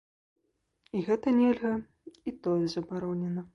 І гэта нельга, і тое забаронена.